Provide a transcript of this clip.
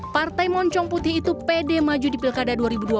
partai moncong putih itu pede maju di pilkada dua ribu dua puluh